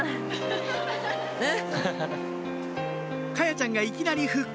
華彩ちゃんがいきなり復活！